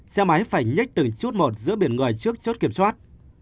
xe máy phải nhách từng chút một giữa biển người trước chốt kiểm soát